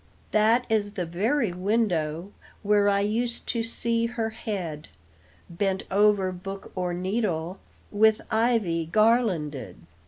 That is the very window Where I used to see her head Bent over book or needle, With ivy garlanded.